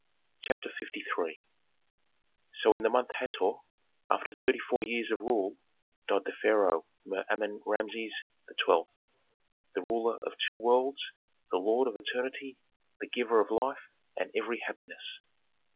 CHAPTER LIII So in the month Hator, after thirty four years of rule, died the Pharaoh Mer Amen Rameses XII., the ruler of two worlds, the lord of eternity, the giver of life and every happiness.